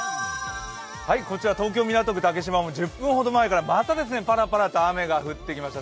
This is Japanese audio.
こちら東京・港区竹芝も１０分ほど前からまたパラパラと雨が降ってきました。